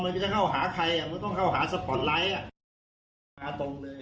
มันไม่จะเข้าหาใครมันก็ต้องเข้าหาสปอร์ตไลท์